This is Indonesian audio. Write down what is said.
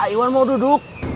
iwan mau duduk